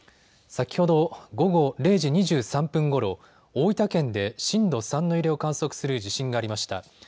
先ほど午後０時２３分ごろ、大分県で震度３の揺れを観測する地震がありました。